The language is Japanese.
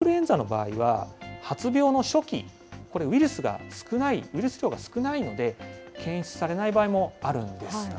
特にインフルエンザの場合は、発病の初期、これ、ウイルスが少ない、ウイルス量が少ないので、検出されない場合もあるんです。